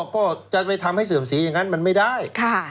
ก็จะไปทำให้เสื่อมสีอย่างนั้นมันไม่ได้